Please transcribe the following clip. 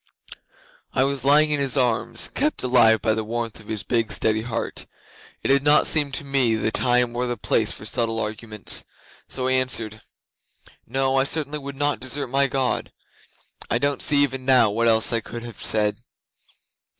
'I was lying in his arms, kept alive by the warmth of his big, steady heart. It did not seem to me the time or the place for subtle arguments, so I answered, "No, I certainly should not desert my God." I don't see even now what else I could have said.